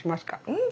うん！